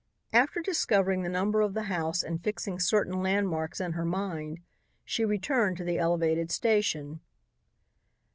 After discovering the number of the house and fixing certain landmarks in her mind, she returned to the elevated station.